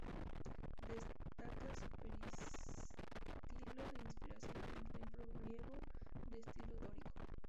Destaca su peristilo de inspiración en el Templo Griego de estilo dórico.